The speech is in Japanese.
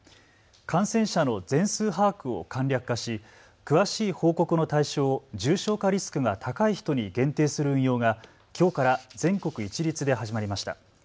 感染者の全数把握を簡略化し詳しい報告の対象を重症化リスクが高い人に限定する運用がきょうから全国一律で始まりました。